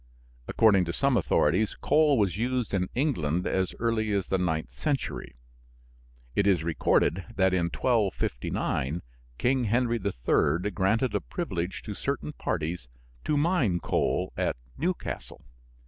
According to some authorities, coal was used in England as early as the ninth century. It is recorded that in 1259 King Henry III. granted a privilege to certain parties to mine coal at Newcastle.